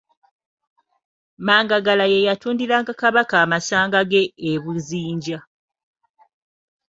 Mangagala ye yatundiranga Kabaka amasanga ge e Buzinja.